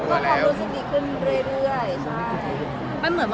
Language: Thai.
ไม่ได้ถามบนสถานทหรือว่า